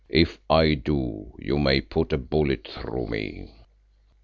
If I do you may put a bullet through me."